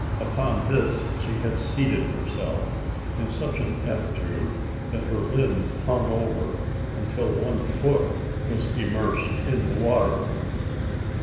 Upon this she had seated herself in such an attitude that her limbs hung over, until one foot was immersed in the water.